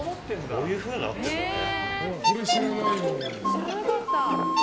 こうふうになってるんだね。